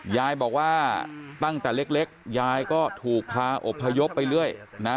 ยายบอกว่าตั้งแต่เล็กยายก็ถูกพาอบพยพไปเรื่อยนะ